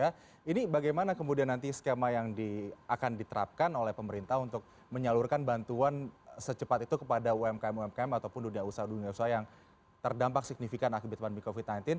jadi bagaimana kemudian nanti skema yang akan diterapkan oleh pemerintah untuk menyalurkan bantuan secepat itu kepada umkm umkm ataupun dunia usaha dunia usaha yang terdampak signifikan akibat pandemi covid sembilan belas